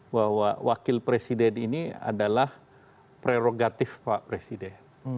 bahwa wakil presiden ini adalah prerogatif pak presiden